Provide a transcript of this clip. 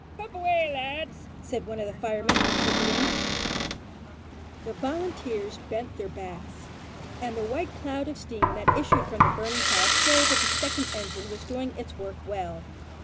"Pump away, lads!" said one of the firemen, interpreting. The volunteers bent their backs, and the white clouds of steam that issued from the burning house showed that the second engine was doing its work well.